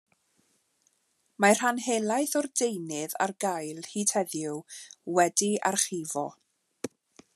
Mae rhan helaeth o'r deunydd ar gael hyd heddiw wedi'i archifo.